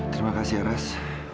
terima kasih ras